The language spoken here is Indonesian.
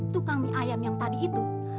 tukang mi ayam yang tadi itu